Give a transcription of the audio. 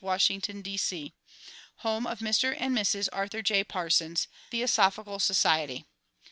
Washington, D. C. Home of Mr. and Mrs. Arthur J. Parsons. Theosophical Society.